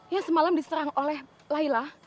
yang semalam diserang oleh layla